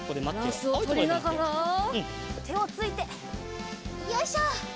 バランスをとりながらてをついてよいしょ。